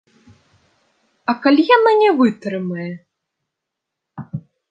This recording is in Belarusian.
А калі яна не вытрымае?